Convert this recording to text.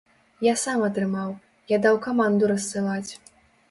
Я сам атрымаў, я даў каманду рассылаць.